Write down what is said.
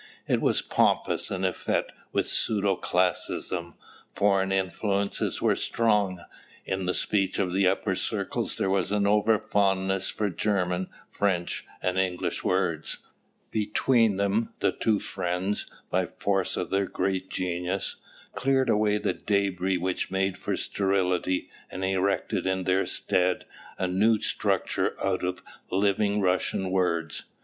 It was pompous and effete with pseudo classicism; foreign influences were strong; in the speech of the upper circles there was an over fondness for German, French, and English words. Between them the two friends, by force of their great genius, cleared away the debris which made for sterility and erected in their stead a new structure out of living Russian words.